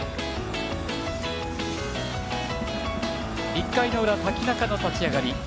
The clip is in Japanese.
１回の裏、瀧中の立ち上がり。